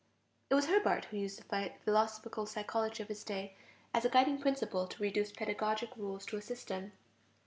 It was Herbart who used the philosophical psychology of his day as a guiding principle to reduce pedagogic rules to a system.